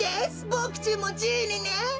ボクちんもじいにね。